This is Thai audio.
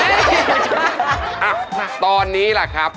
อ่ะตอนนี้ล่ะครับ